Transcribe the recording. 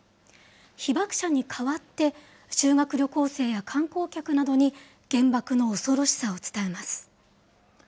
被爆者に代わって、修学旅行生や観光客などに原爆の恐ろしさを伝えます。